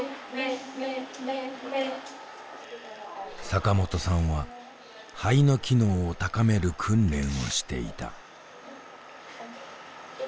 坂本さんは肺の機能を高める訓練をしていた。